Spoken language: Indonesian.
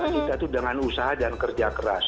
cita cita itu dengan usaha dan kerja keras